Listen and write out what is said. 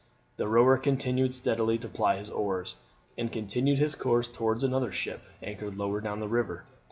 The rower continued steadily to ply his oars, and continued his course towards another ship anchored lower down the river.